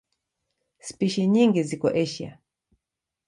Spishi nyingi ziko Asia.